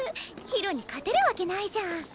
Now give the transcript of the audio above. ひろに勝てるわけないじゃん。